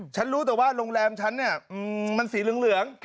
ฉันรู้แต่ว่าโรงแรมฉันเนี้ยอืมมันสีเหลืองเหลือง